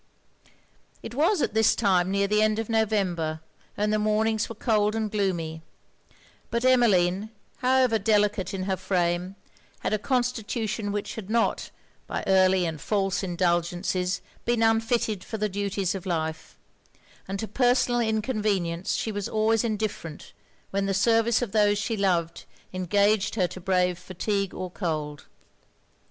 It was at this time near the end of November, and the mornings were cold and gloomy: but Emmeline, however delicate in her frame, had a constitution which had not, by early and false indulgences, been unfitted for the duties of life; and to personal inconvenience she was always indifferent when the service of those she loved engaged her to brave fatigue or cold.